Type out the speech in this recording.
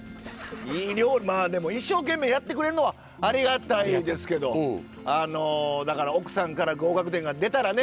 いい料理まあでも一生懸命やってくれるのはありがたいですけどあのだから奥さんから合格点が出たらね